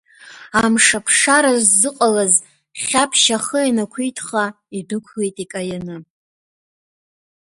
Амшаԥ шара ззыҟалаз Хьаԥшь ахы ианақәиҭха, идәықәлеит икаианы.